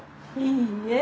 いいえ。